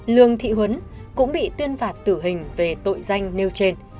lương thị huấn cũng bị tuyên phạt tử hình về tội danh nêu trên